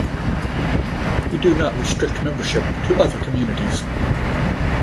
We do not restrict membership to other communities.